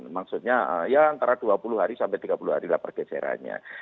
maksudnya ya antara dua puluh hari sampai tiga puluh hari lah pergeserannya